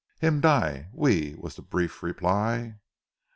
"Him die, oui," was the brief reply.